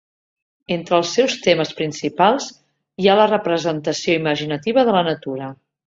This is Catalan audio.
Entre els seus temes principals hi ha la representació imaginativa de la natura.